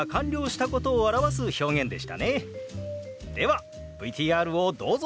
ではＶＴＲをどうぞ！